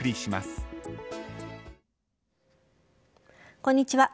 こんにちは。